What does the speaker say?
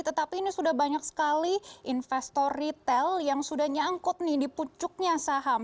tetapi ini sudah banyak sekali investor retail yang sudah nyangkut nih di pucuknya saham